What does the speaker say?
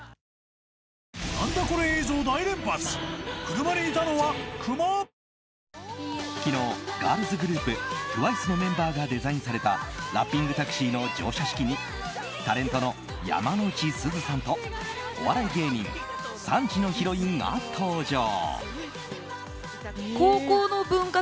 ファミリーの昨日、ガールズグループＴＷＩＣＥのメンバーがデザインされたラッピングタクシーの乗車式にタレントの山之内すずさんとお笑い芸人３時のヒロインが登場。